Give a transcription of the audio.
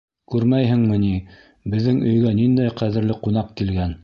Күрмәйһеңме ни, беҙҙең өйгә ниндәй ҡәҙерле ҡунаҡ килгән.